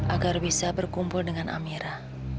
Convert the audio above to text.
agar bisa berkumpul dengan amira